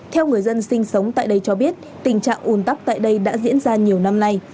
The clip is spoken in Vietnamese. theo người dân sinh sống tại đây cho biết tình trạng ùn tắc tại đây đã diễn ra nhiều năm nay